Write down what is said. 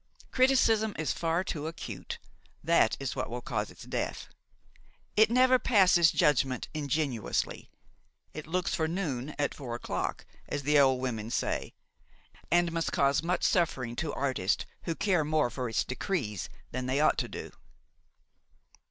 Criticism is far too acute; that is what will cause its death. It never passes judgment ingenuously. It looks for noon at four o'clock, as the old women say, and must cause much suffering to artists who care more for its decrees than they ought to do.